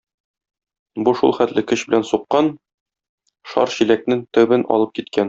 Бу шулхәтле көч белән суккан, шар чиләкнең төбен алып киткән.